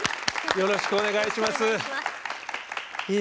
よろしくお願いします。